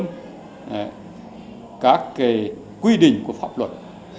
hoàn thiện hơn các quy định của pháp luật